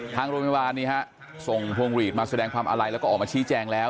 ทางโรงพยาบาลส่งพวงหลีดมาแสดงความอาลัยแล้วก็ออกมาชี้แจงแล้ว